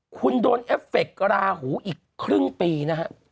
คุณโดนเอฟเฟคราหูอีกครึ่งปีนะฮะ